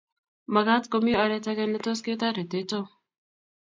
Magaat komi oret age netos ketoreto Tom